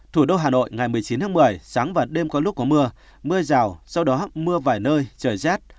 thủ đô hà nội ngày một mươi chín tháng một mươi sáng và đêm có lúc có mưa mưa rào sau đó mưa vài nơi trời rét